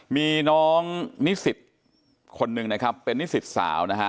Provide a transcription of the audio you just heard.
มีน้องนิสิตคนหนึ่งนะครับเป็นนิสิตสาวนะฮะ